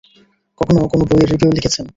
কখনো কোনো বইয়ের রিভিউ লিখেছেন?